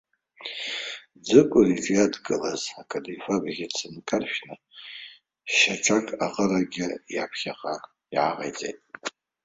Ӡыкәыр иҿы иадкылаз акадифа бӷьыц нкаршәны, шьаҿак аҟарагьы иаԥхьаҟа иааҟаиҵеит.